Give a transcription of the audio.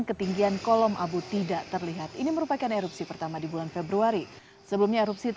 ketinggian kolom abu tidak terlihat ini merupakan erupsi pertama di bulan februari sebelumnya erupsi